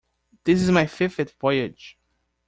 This is my fifth voyage.